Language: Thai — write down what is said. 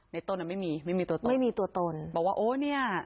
ต้นอ่ะไม่มีไม่มีตัวตนไม่มีตัวตนบอกว่าโอ้เนี้ย